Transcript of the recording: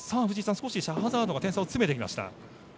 少しシャハザードが点差を詰めてきました。